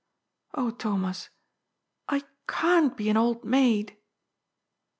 Oh, Thomas, I canH be an old maid !